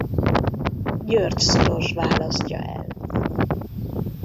György-szoros választja el.